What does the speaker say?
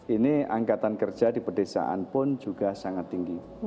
ini angkatan kerja di pedesaan pun juga sangat tinggi